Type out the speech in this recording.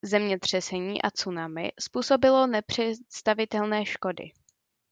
Zemětřesení a tsunami způsobilo nepředstavitelné škody.